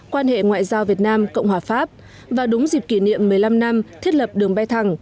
quan hệ ngoại giao việt nam cộng hòa pháp và đúng dịp kỷ niệm một mươi năm năm thiết lập đường bay thẳng